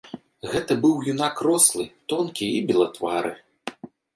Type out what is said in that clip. Гэта быў юнак рослы, тонкі і белатвары.